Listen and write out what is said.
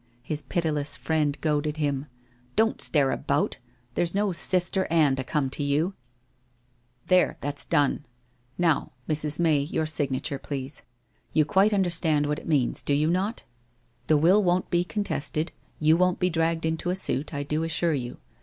hi pitiless friend goaded him. ' Don't tare about. There's no Bister Anne to come to you. 436 WHITE ROSE OF WEARY LEAF There, that's done. Now, Mrs. May, your signature, please ! You quite understand what it means, do you not ? The will won't be contested, you won't be dragged into a suit, I do assure you.